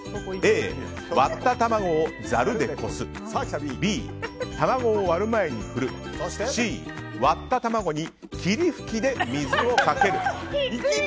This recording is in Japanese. Ａ、割った卵をざるでこすＢ、卵を割る前に振るＣ、割った卵に霧吹きで水をかける。